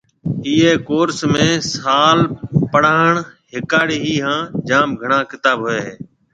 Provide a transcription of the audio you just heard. ايئي ڪورس ۾ ٻي سال پڙهاڻ هِيکاڙي هيَ هانَ جام گھڻا ڪتاب هوئي هيَ